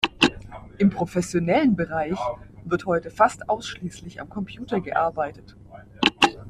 Im professionellen Bereich wird heute fast ausschließlich am Computer gearbeitet.